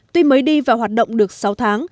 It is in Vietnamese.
tuy mới đi và hoạt động được sáu tháng